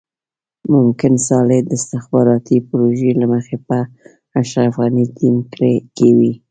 ممکن صالح د استخباراتي پروژې له مخې په اشرف غني ټيم کې وي.